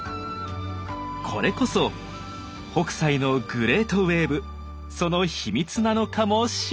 これこそ北斎の「グレートウエーブ」その秘密なのかもしれません。